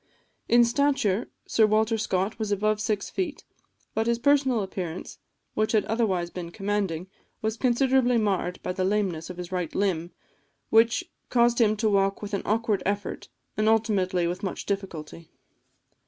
In stature, Sir Walter Scott was above six feet; but his personal appearance, which had otherwise been commanding, was considerably marred by the lameness of his right limb, which caused him to walk with an awkward effort, and ultimately with much difficulty.